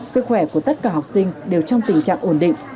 sức khỏe của tất cả học sinh đều trong tình trạng ổn định